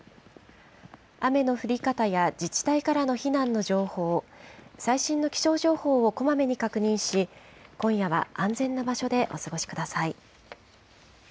雨の降り方や自治体からの避難の情報、最新の気象情報をこまめに確認し、今夜は安全な場所でお過ごしください。